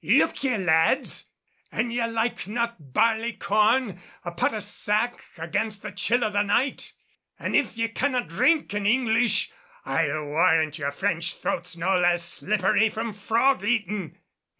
"Look ye, lads, an ye like not barleycorn, a pot of sack against the chill of the night! An' if ye cannot drink in English, I'll warrant your French throats no less slippery from frog eatin'."